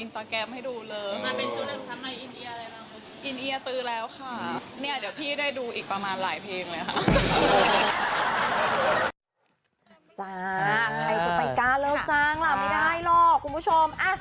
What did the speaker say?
ใครจะไปกล้าเลิกจ้างล่ะไม่ได้หรอกคุณผู้ชม